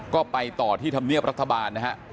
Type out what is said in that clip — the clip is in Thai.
ก็ไปต่อที่ธรรมเนียบรัฐบาลนะฮะ